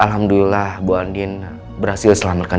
alhamdulillah bu andin berhasil selamatkan